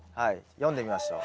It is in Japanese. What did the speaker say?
読んでみましょう。